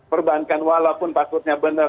perbankan walaupun passwordnya benar